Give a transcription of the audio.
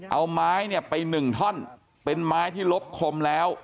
เอาไม้เนี่ยไปหนึ่งท่อนเป็นไม้ที่ลบคมแล้ว